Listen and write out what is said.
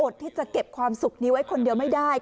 อดที่จะเก็บความสุขนี้ไว้คนบ้าง